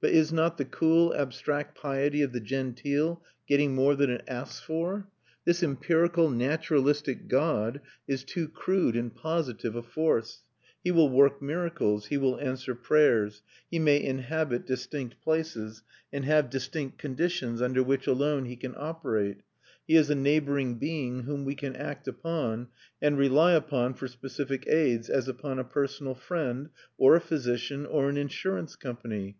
But is not the cool abstract piety of the genteel getting more than it asks for? This empirical naturalistic God is too crude and positive a force; he will work miracles, he will answer prayers, he may inhabit distinct places, and have distinct conditions under which alone he can operate; he is a neighbouring being, whom we can act upon, and rely upon for specific aids, as upon a personal friend, or a physician, or an insurance company.